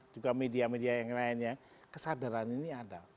juga media media yang lainnya kesadaran ini ada